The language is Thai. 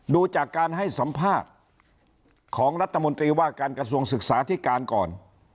ดูจากการให้สัมภาษณ์ของรัฐมนตรีว่าการกระทรวงศึกษาธิการก่อน